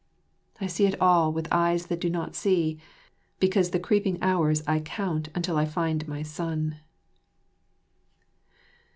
] I see it all with eyes that do not see, because the creeping hours I count until I find my son.